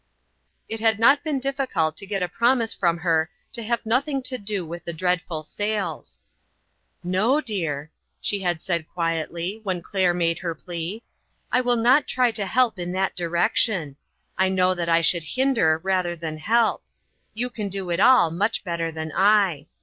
It had not been difficult to get a promise from her to have nothing to do with the dreadful sales. " No, dear," she had said quietly, when Claire made her plea, " I will not try to help in that direction ; I know that I should hinder rather than help. You can do it all, much better than I.